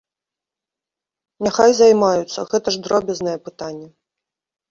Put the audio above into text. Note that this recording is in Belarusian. Няхай займаюцца, гэта ж дробязнае пытанне.